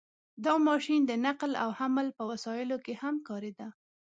• دا ماشین د نقل او حمل په وسایلو کې هم کارېده.